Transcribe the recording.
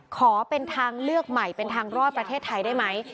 ขอเป็นทางเลือกใหม่เป็นทางรอดประเทศไทยได้ไหม